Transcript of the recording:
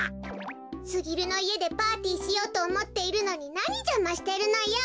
すぎるのいえでパーティーしようとおもっているのになにじゃましてるのよ。